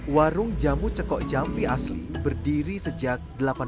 warung jamu cekok jampi asli berdiri sejak seribu delapan ratus tujuh puluh lima